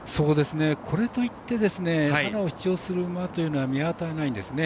これといってハナを主張する馬は見当たらないんですね。